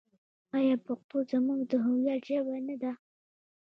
آیا پښتو زموږ د هویت ژبه نه ده؟